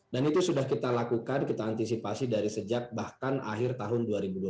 dan itu sudah kita lakukan kita antisipasi dari sejak bahkan akhir tahun dua ribu dua puluh satu